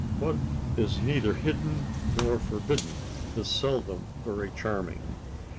What is neither hidden nor forbidden is seldom very charming.